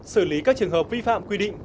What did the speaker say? xử lý các trường hợp vi phạm quy định